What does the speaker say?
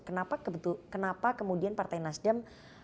kenapa kebetulan kenapa kemudian partai nasdem